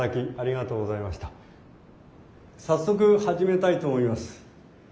早速始めたいと思います。